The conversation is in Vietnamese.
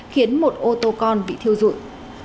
khiến một ô tô con bị thiêu dụng